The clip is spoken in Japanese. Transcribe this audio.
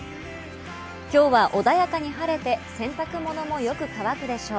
今日は穏やかに晴れて洗濯物もよく乾くでしょう。